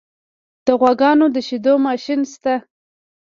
د غواګانو د شیدو ماشین شته؟